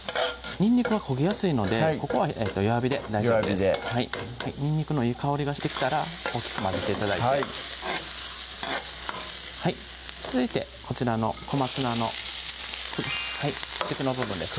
にんにくは焦げやすいのでここは弱火で大丈夫ですにんにくのいい香りがしてきたら大きく混ぜて頂いて続いてこちらの小松菜の軸の部分ですね